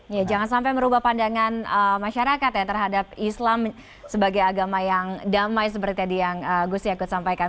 ya jangan sampai merubah pandangan masyarakat ya terhadap islam sebagai agama yang damai seperti tadi yang gus yakut sampaikan